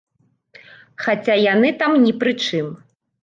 Хаця яны там ні пры чым.